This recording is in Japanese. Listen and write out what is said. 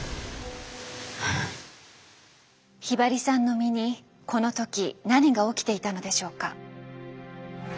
ひばりさんの身にこの時何が起きていたのでしょうか。